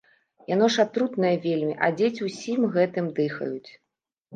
Яно ж атрутнае вельмі, а дзеці ўсім гэтым дыхаюць.